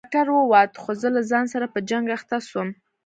ډاکتر ووت خو زه له ځان سره په جنگ اخته سوم.